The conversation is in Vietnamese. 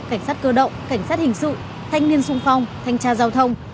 cảnh sát cơ động cảnh sát hình sự thanh niên sung phong thanh tra giao thông